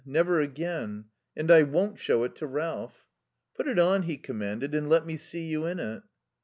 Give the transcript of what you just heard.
Never again.... And I won't show it to Ralph." "Put it on," he commanded, "and let me see you in it."